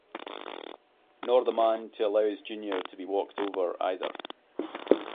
Nor the man to allow his junior to be walked over either?